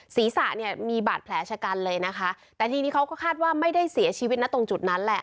ศีรษะเนี่ยมีบาดแผลชะกันเลยนะคะแต่ทีนี้เขาก็คาดว่าไม่ได้เสียชีวิตนะตรงจุดนั้นแหละ